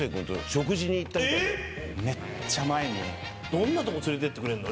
どんなとこ連れてってくれるの？